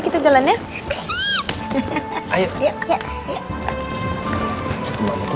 kita jangan ya ayo